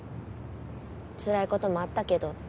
つらいこともあったけど。